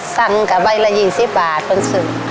สั่งกับใบละ๒๐บาทคือสิ่ง